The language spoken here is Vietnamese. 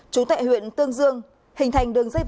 chú tại huyện tương dương